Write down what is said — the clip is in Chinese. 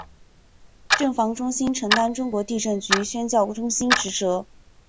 震防中心承担中国地震局宣教中心职责。